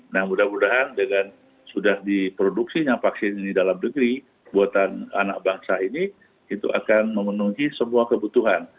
nah mudah mudahan dengan sudah diproduksinya vaksin ini dalam negeri buatan anak bangsa ini itu akan memenuhi semua kebutuhan